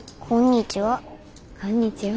こんにちは。